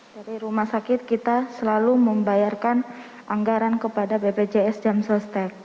jadi rumah sakit kita selalu membayarkan anggaran kepada bpjs jam susnek